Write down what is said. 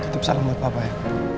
tutup salam buat papa ya